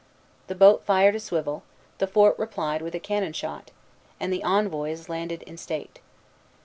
The boat fired a swivel, the fort replied with a cannon shot, and the envoys landed in state.